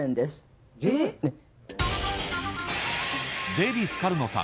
デヴィ・スカルノさん